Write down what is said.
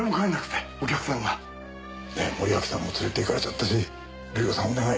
森脇さんも連れていかれちゃったし瑠里子さんお願い。